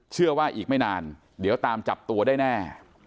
เชื่อว่าอีกไม่นานเดี๋ยวตามจับตัวได้แน่